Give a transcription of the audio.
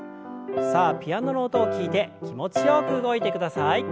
さあピアノの音を聞いて気持ちよく動いてください。